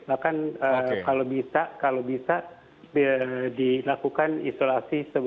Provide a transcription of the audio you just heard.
bahkan kalau bisa kalau bisa dilakukan isolasi